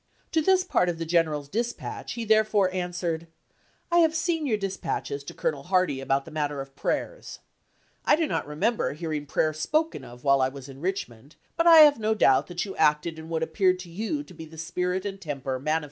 To this part of the general's dispatch he therefore answered : "I have seen your dispatches to Colonel Hardie about the matter of prayers. I do not re member hearing prayer spoken of while I was in Richmond, but I have no doubt you acted in what Lweitznei!° appeared to you to be the spirit and temper mani as.